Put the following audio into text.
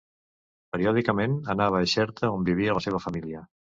Periòdicament anava a Xerta on vivia la seva família.